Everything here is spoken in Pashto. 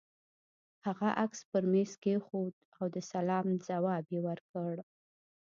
هغه عکس پر مېز کېښود او د سلام ځواب يې ورکړ.